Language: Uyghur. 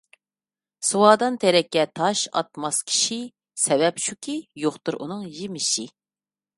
سۇۋادان تېرەككە تاش ئاتماس كىشى، سەۋەب شۇكى يوقتۇر ئۇنىڭ يېمىشى.